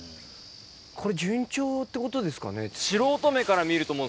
これ順調ってことですかね。